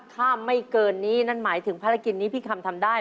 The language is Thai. ถ้าไม่เกินนี้นั่นหมายถึงภารกิจนี้พี่คำทำได้